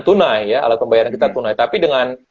tunai ya alat pembayaran kita tunai tapi dengan